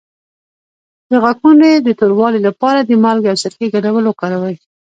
د غاښونو د توروالي لپاره د مالګې او سرکې ګډول وکاروئ